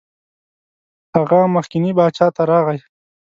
هغه مخکني باچا ته راغی.